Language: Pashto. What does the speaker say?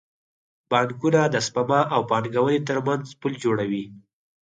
بانکونه د سپما او پانګونې ترمنځ پل جوړوي.